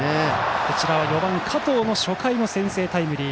そして４番、加藤の初回の先制タイムリー。